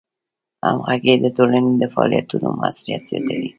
همغږي د ټولنې د فعالیتونو موثریت زیاتوي.